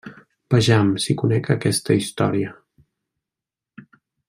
Vejam si conec aquesta història.